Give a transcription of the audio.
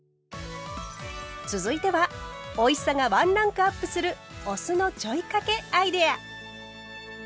続いてはおいしさがワンランクアップするお酢のちょいかけアイデア！